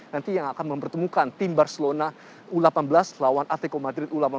nanti yang akan mempertemukan tim barcelona u delapan belas lawan atletico madrid u delapan belas